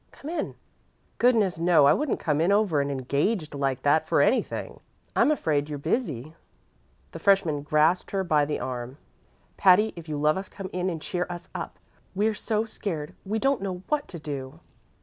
Come in." "Goodness, no; I wouldn't come in over an 'engaged' like that for anything. I'm afraid you're busy." The freshman grasped her by the arm. "Patty, if you love us come in and cheer us up. We're so scared we don't know what to do."